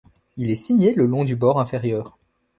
Il est signé le long du bord inférieur.